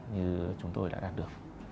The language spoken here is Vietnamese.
như chúng tôi đã đạt được